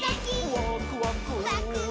「ワクワク」ワクワク。